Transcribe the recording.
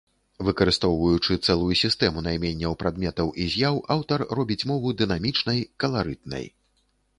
Выкарыстоўваючы цэлую сістэму найменняў прадметаў і з'яў, аўтар робіць мову дынамічнай, каларытнай.